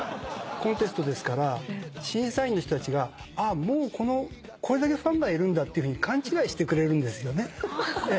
コンテストですから審査員の人たちが「あもうこれだけファンがいるんだ」っていうふうに勘違いしてくれるんですよね。